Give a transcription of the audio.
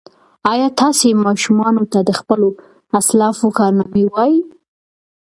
ایا تاسي ماشومانو ته د خپلو اسلافو کارنامې وایئ؟